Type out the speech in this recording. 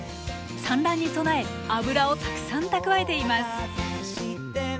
産卵に備え脂をたくさん蓄えています！